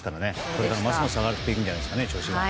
これからますます調子が上がっていくんじゃないですかね。